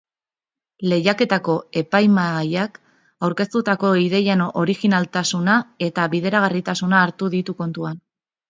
Lehiaketako epaimahaiak aurkeztutako ideien originaltasuna eta bideragarritasuna hartu ditu kontuan.